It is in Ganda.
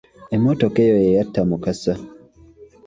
Emmotoka eyo ye yatta Mukasa!